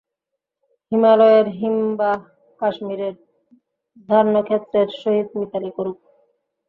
হিমালয়ের হিমবাহ কাশ্মীরের ধান্যক্ষেত্রের সহিত মিতালি করুক।